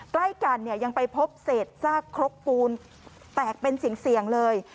ใกล้กันเนี่ยยังไปพบเศษซากครกปูนแตกเป็นเสี่ยงเลย